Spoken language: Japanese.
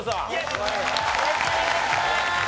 よろしくお願いします。